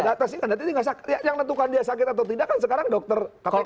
ya datang sih yang menentukan dia sakit atau tidak kan sekarang kpk